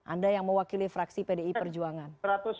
anda yang mewakili fraksi pdi perjuangan